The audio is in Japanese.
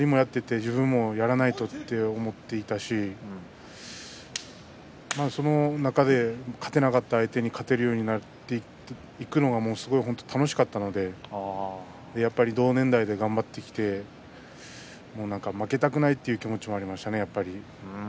周りもやっていて自分もやらなきゃと思っていたしその中で、勝てなかった相手に勝てるようになっていくのがすごく楽しかったので同年代で頑張ってきて負けたくないという気持ちもありましたね。